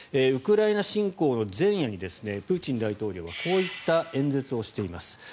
ウクライナ侵攻の前夜にプーチン大統領はこういった演説をしています。